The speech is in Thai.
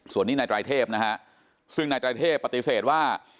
ส่วนนี้นายไตรเทพนะฮะซึ่งนายไตรเทพปฏิเสธว่า